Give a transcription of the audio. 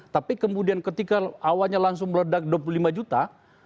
tapi kemudian ketika awalnya langsung meledak dua puluh lima juta